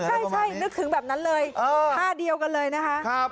ใช่นึกถึงแบบนั้นเลยท่าเดียวกันเลยนะคะ